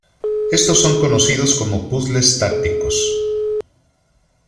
Estos son conocidos como puzzles tácticos.